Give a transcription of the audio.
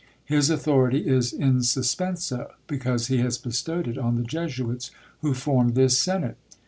His authority is in suspenso, because he has bestowed it on the Jesuits who form this senate.